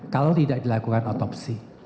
kalau tidak dilakukan otopsi